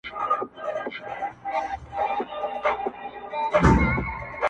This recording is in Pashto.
o بيا ناڅاپه څوک يوه جمله ووايي او بحث سي,